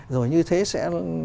rồi như thế sẽ